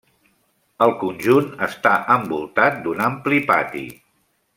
El conjunt està envoltat d'un ampli pati.